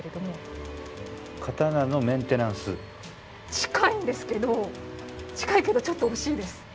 近いんですけど近いけどちょっと惜しいです。